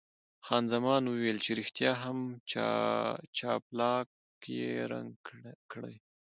خان زمان ویل چې ریښتیا هم جاپلاک یې رنګ کړی.